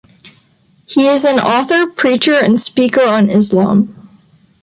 He is an author, preacher and speaker on Islam.